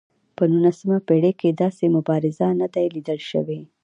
په نولسمه پېړۍ کې داسې مبارز نه دی لیدل شوی.